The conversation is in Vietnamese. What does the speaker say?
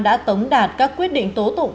đã tống đạt các quyết định tố tụng